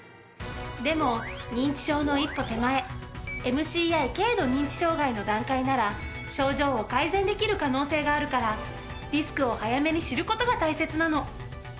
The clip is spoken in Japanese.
でも認知症の一歩手前ＭＣＩ軽度認知障害の段階なら症状を改善できる可能性があるからリスクを早めに知る事が大切なの。